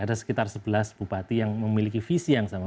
ada sekitar sebelas bupati yang memiliki visi yang sama